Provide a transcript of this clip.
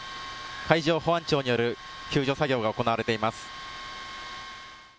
海上保安庁による救助作業が行われています。